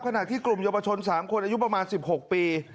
ขณะที่กลุ่มเยาวชน๓คนอายุประมาณ๑๖ปี